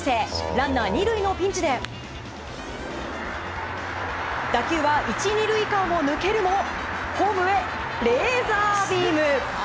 ランナー２塁のピンチで打球は１、２塁間を抜けるもホームへ、レーザービーム。